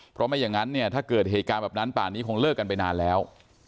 เพราะไม่อย่างนั้นเนี่ยถ้าเกิดเหตุการณ์แบบนั้นป่านนี้คงเลิกกันไปนานแล้ว